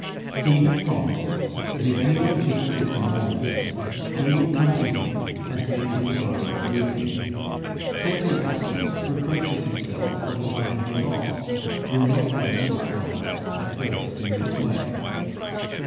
He has promised that if any one keeps His commandments, He will come to him, and make His abode with him (John xiv. 23). St Augustine reproaches himself for the time he lost through not having sought God at first in this way.